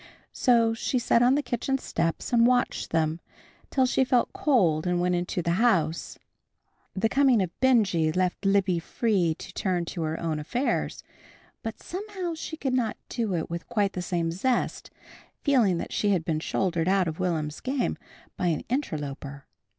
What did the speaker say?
So she sat on the kitchen steps and watched them, till she felt cold and went into the house. The coming of Benjy left Libby free to turn to her own affairs, but somehow she could not do it with quite the same zest, feeling that she had been shouldered out of Will'm's game by an interloper.